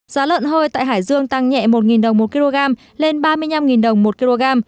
giá lợn hơi tại hải dương tăng nhẹ một đồng một kg lên ba mươi năm đồng một kg